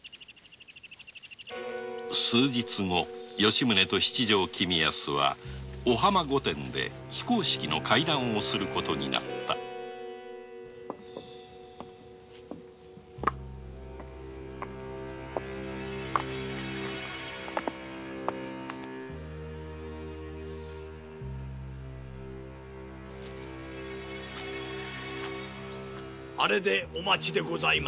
数日後吉宗と七条公保は御浜御殿で非公式の会談をする事になったあれでお待ちです。